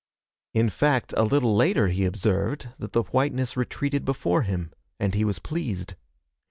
In fact, a little later he observed that the whiteness retreated before him, and he was pleased.